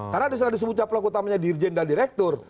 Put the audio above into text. karena disuruh suruh sebutnya pelaku utamanya dirjen dan direktur